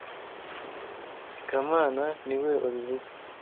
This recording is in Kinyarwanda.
Ikamana niwe wabivuze